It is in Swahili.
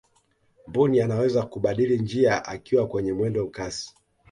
mbuni anaweza kubadili njia akiwa kwenye mwendo kasi